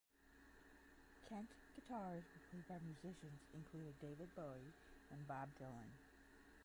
Kent guitars were played by musicians including David Bowie and Bob Dylan.